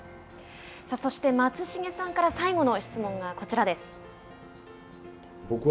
そして松重さんから最後の質問がこちらです。